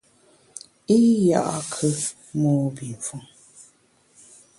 I ya’kù mobifon.